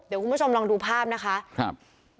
เดี๋ยวคุณผู้ชมลองดูภาพนะคะครับ